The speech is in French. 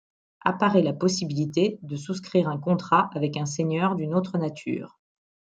Apparaît la possibilité de souscrire un contrat avec un seigneur d'une autre nature.